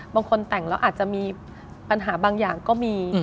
บางคนแต่งแล้วอาจจะมีปัญหาบางอย่างก็มี